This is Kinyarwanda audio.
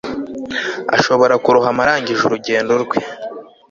Ashobora kurohama arangije urugendo rwe